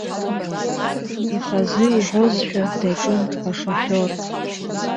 Ихазы иҳәозшәа даҿын ашофер.